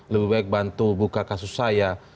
lebih baik bantu buka kasus saya